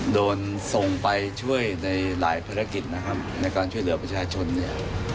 โดนส่งไปช่วยในหลายภารกิจนะครับในการช่วยเหลือประชาชนเนี่ย